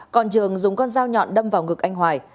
còn trường dùng con dao nhọn đâm vào ngực anh hoài